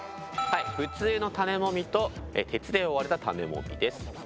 普通の種もみと鉄で覆われた種もみです。